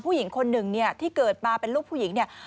ผู้หญิงคนหนึ่งที่เกิดมาเป็นลูกผู้หญิง